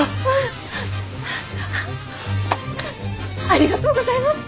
ありがとうございます！